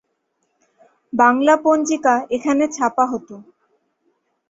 বাংলা পঞ্জিকা এখানে ছাপা হত।